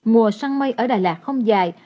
mùa săn mây ở đà lạt không dài